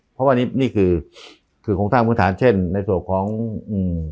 เพราะว่านี่นี่คือคือโครงสร้างพื้นฐานเช่นในส่วนของอืม